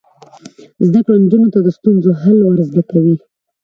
زده کړه نجونو ته د ستونزو حل کول ور زده کوي.